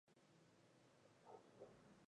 Los otros serán eliminados.